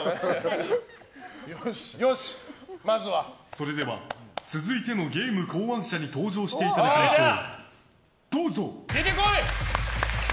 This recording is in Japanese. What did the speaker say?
それでは続いてのゲーム考案者に登場していただきましょう。